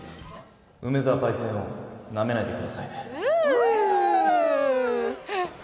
梅澤パイセンをなめないでくださいね。